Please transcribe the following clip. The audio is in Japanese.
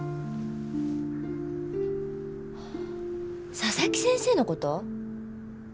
佐々木先生の事？